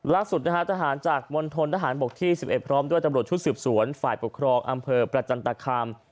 ล่าสุดนะฮะทหารจากมณฑนทหารบกที่๑๑พร้อมด้วยตำรวจชุดสืบสวนฝ่ายปกครองอำเภอประจันตคาม